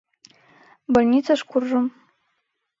Больницыш куржым.